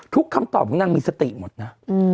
ทุกคำตอบนั้นมีสติหมดนะ